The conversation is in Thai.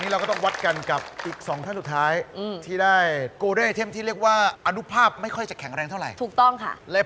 และคุณต้นน้ำได้กระบอกน้ำหลักครับ